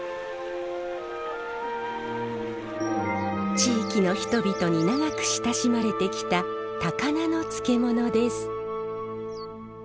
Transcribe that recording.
地域の人々に長く親しまれてきた高菜の漬物です。